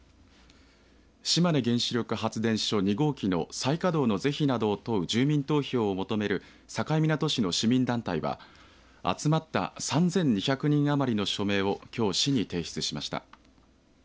島根原子力発電所２号機の再稼働の是非などを問う住民投票を求める境港市の住民団体は集まった３２００人余りの署名をきょう市に提出しました。